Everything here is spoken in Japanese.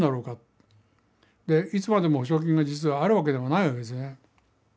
でいつまでも補償金が実はあるわけでもないわけですよね。